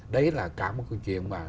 đấy là cả một câu chuyện mà